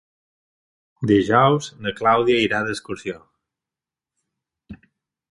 Dijous na Clàudia irà d'excursió.